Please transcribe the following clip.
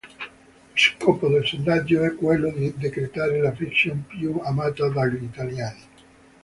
Lo scopo del sondaggio è quello di decretare la fiction più amata dagli italiani.